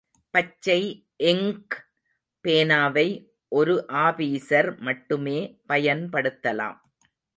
பச்சை இங்க் பேனாவை ஒரு ஆபீஸர் மட்டுமே பயன்படுத்தலாம்.